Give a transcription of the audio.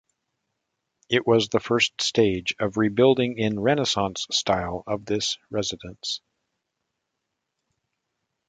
It was the first stage of rebuilding in renaissance style of this residence.